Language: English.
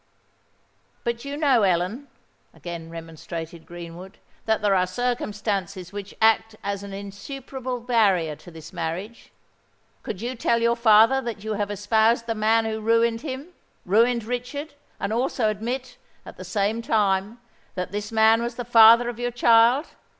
"But you know, Ellen," again remonstrated Greenwood, "that there are circumstances which act as an insuperable barrier to this marriage. Could you tell your father that you have espoused the man who ruined him—ruined Richard,—and also admit, at the same time, that this man was the father of your child!